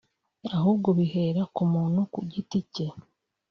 ahubwo bihera ku muntu ku giti cye